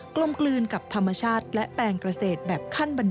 กลมกลืนกับธรรมชาติและแปลงเกษตรแบบขั้นบัน